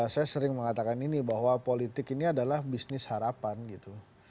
saya sering mengatakan ini bahwa politik ini adalah bisnis harapan gitu